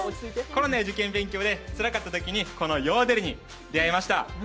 コロナや受験勉強でつらかったときにヨーデルに出会いました。